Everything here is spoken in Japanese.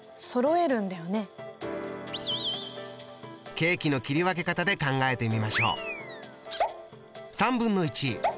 ケーキの切り分け方で考えてみましょう。